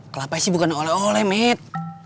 kelapa sih bukan oleh oleh mit